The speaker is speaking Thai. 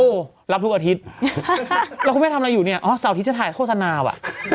โอ้โหรับทุกอาทิตย์แล้วคุณแม่ทำอะไรอยู่เนี่ยอ๋อเสาร์อาทิตย์จะถ่ายโฆษณาว่ะ